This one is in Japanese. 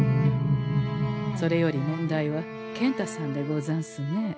それより問題は健太さんでござんすね。